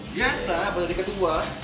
biasa baru jadi ketua